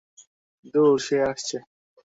ধুর, সে আসছে।